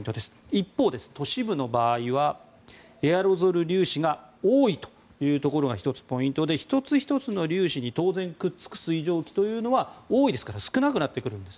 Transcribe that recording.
一方、都市部の場合はエアロゾル粒子が多いというのが１つのポイントで１つ１つの粒子に当然、くっつく水蒸気というのは多いですから少なくなってくるんです。